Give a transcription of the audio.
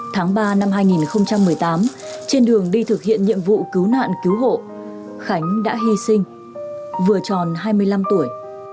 tháng ba năm hai nghìn một mươi tám trên đường đi thực hiện nhiệm vụ cứu nạn cứu hộ khánh đã hy sinh vừa tròn hai mươi năm tuổi